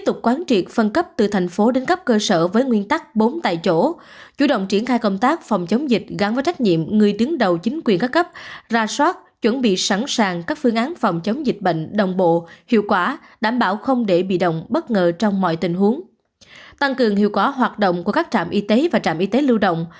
tăng cường hiệu quả hoạt động của các trạm y tế và trạm y tế lưu động